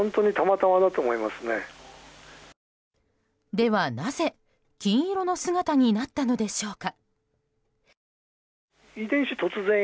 では、なぜ金色の姿になったのでしょうか。